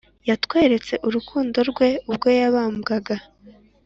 yatweretse urukundo rwe, ubwo yabambwaga